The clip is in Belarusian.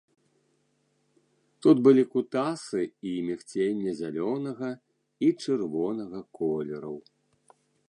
Тут былі кутасы і мігценне зялёнага і чырвонага колераў.